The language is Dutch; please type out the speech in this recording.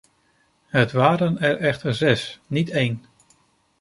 Het waren er echter zes, niet één.